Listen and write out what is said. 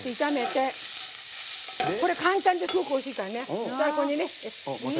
これ簡単ですごくおいしいからね。